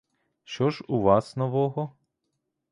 Що ж у вас нового?